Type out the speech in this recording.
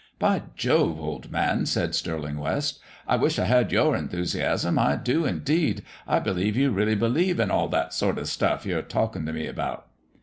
"By Jove! old man," said Stirling West, "I wish I had your enthusiasm I do, indeed. I believe you really believe in all that sort of stuff you're talking to me about."